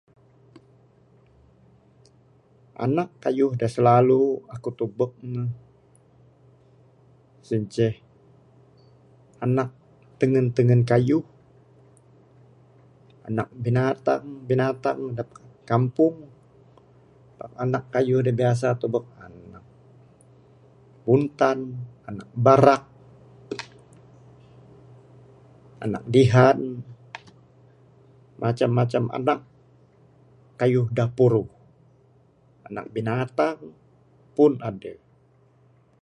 Anak keyuh de selalu ekuk tubek ne, sien ce, anak tengen-tengen keyuh, anak binatang-binatang de kampung, anak keyuh de biasa tubek, untan, anak berak, anak dihan, macam-macam anak keyuh de puruh, anak binatang pun edeh.